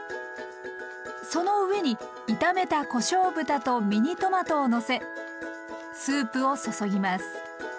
その上に炒めたこしょう豚とミニトマトをのせスープを注ぎます。